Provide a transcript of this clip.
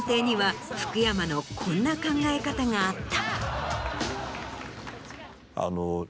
福山のこんな考え方があった。